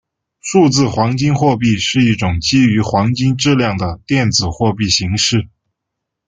数字黄金货币是一种基于黄金质量的电子货币形式。